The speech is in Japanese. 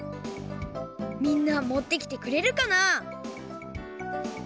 みんな持ってきてくれるかな？